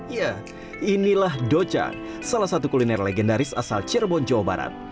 ya inilah docan salah satu kuliner legendaris asal cirebon jawa barat